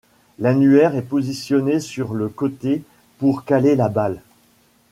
L'annulaire est positionné sur le côté pour caler la balle.